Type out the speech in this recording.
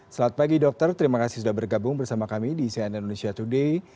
selamat pagi dokter terima kasih sudah bergabung bersama kami di cnn indonesia today